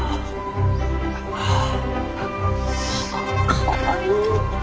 かわいい。